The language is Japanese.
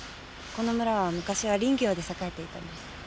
この村は昔は林業で栄えていたんです。